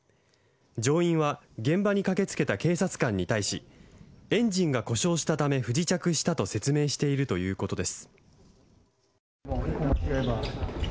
乗員は現場に駆けつけた警察官に対しエンジンが故障したため不時着したと説明しているということです。